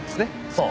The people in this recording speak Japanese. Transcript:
そう。